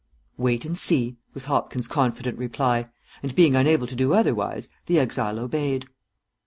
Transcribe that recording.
"Wait and see," was Hopkins' confident reply, and being unable to do otherwise the exile obeyed.